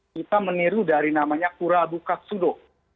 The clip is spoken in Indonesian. kita meniru dari namanya kurabu katsudo